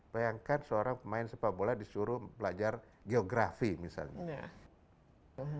bayangkan seorang pemain sepak bola disuruh belajar geografi misalnya